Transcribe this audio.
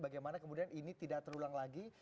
bagaimana kemudian ini tidak terulang lagi